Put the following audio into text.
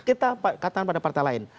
kita katakan pada partai lain